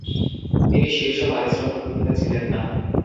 তিনি শীর্ষ পারিশ্রমিক গ্রহীতা ছিলেন না।